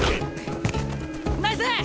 ナイス！